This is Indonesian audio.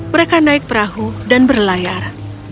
mereka naik perahu dan berlayar